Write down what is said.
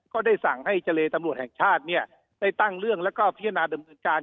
ก็ได้สั่งให้เจรตำรวจแห่งชาติเนี่ยได้ตั้งเรื่องแล้วก็พิจารณาดำเนินการ